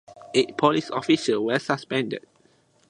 Eight police officials were suspended.